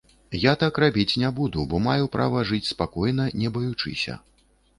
Я так рабіць не буду, бо маю права жыць спакойна, не баючыся.